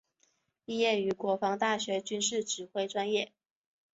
毕业于国防大学军事指挥专业。